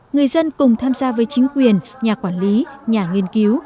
người dân cùng tham gia với chính quyền nhà quản lý nhà nghiên cứu